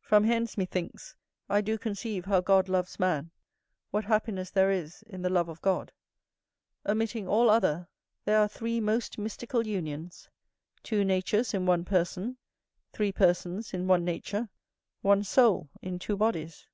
From hence, methinks, I do conceive how God loves man; what happiness there is in the love of God. Omitting all other, there are three most mystical unions; two natures in one person; three persons in one nature; one soul in two bodies.